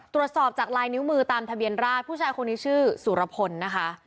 ตรวจสอบจากลายนิ้วมือตามทะเบียนราชผู้ชายคนนี้ชื่อสุรพลนะคะ